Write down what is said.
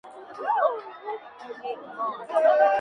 Este fue el fin de la monarquía hawaiana.